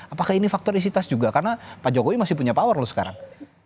apakah ini faktor isitas juga karena pak jokowi masih punya power loh sekarang